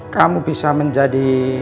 kamu bisa menjadi